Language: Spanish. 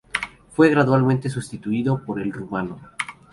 Fue gradualmente sustituido por el rumano.